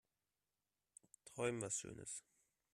Träum was schönes.